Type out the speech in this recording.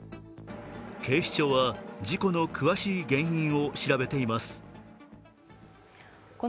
警視庁は事故の詳しい原因を調べています。